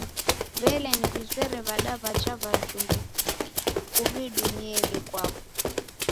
W'elee, niw'izere w'ada w'aja w'ajumbe kuw'idumieghe kwapo?